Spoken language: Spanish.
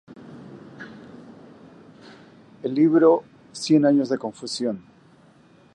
El libro "Cien años de confusión.